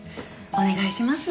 お願いします。